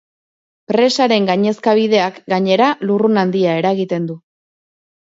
Presaren gainezkabideak, gainera, lurrun handia eragiten du.